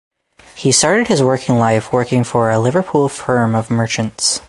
He started his working life working for a Liverpool firm of merchants.